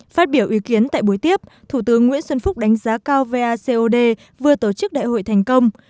phát biểu ý kiến tại buổi tiếp thủ tướng nguyễn xuân phúc đánh giá cao vacod vừa tổ chức đại hội thành công